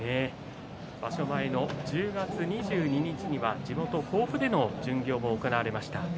場所前の１０月２２日には地元、甲府での巡業も行われました。